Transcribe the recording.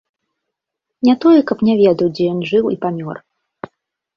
Не тое, каб не ведаў, дзе ён жыў і памёр.